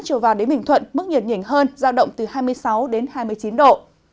trở vào đến bình thuận mức nhiệt nhỉnh hơn giao động từ hai mươi sáu đến hai mươi chín độ